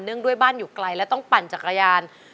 ด้วยบ้านอยู่ไกลและต้องปั่นจักรยาน